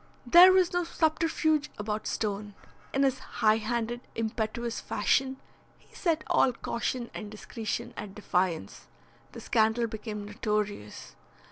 There, was no subterfuge about Stone. In his high handed, impetuous fashion, he set all caution and discretion at defiance. The scandal became notorious.